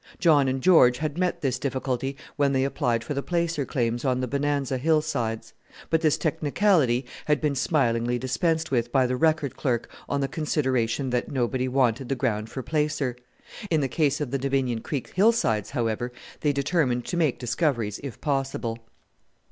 John and George had met this difficulty when they applied for the placer claims on the Bonanza hillsides; but this technicality had been smilingly dispensed with by the record clerk on the consideration that nobody wanted the ground for placer. In the case of the Dominion Creek hillsides, however, they determined to make discoveries, if possible.